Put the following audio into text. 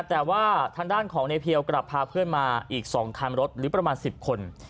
แต่ว่าทางด้านของในเพียวกลับพาเพื่อนมาอีก๒คันรถหรือประมาณ๑๐คน